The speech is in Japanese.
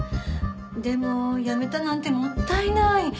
でも辞めたなんてもったいない。